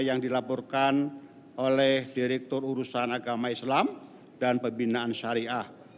yang dilaporkan oleh direktur urusan agama islam dan pembinaan syariah